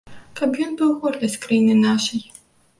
Каб ён быў гордасць краіны нашай.